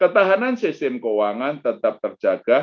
ketahanan sistem keuangan tetap terjaga